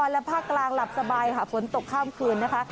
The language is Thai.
และภาคกลางหลับสบายค่ะฝนตกข้ามคืนนะคะ